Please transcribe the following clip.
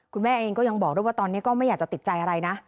คุณแม่เองก็ยังบอกด้วยว่าตอนนี้ก็ไม่อยากจะติดใจอะไรนะ